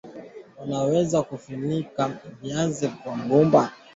unaweza kufunika viazi kwa mgomba